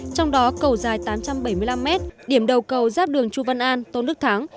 trong đó cầu dài tám trăm bảy mươi năm m điểm đầu cầu giáp đường chu văn an tôn đức thắng